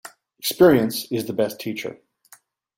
Experience is the best teacher.